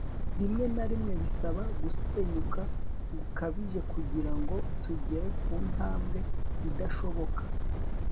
rimwe na rimwe bisaba gusenyuka gukabije kugira ngo tugere ku ntambwe idashoboka